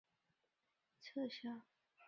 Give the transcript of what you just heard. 抗日战争胜利后撤销。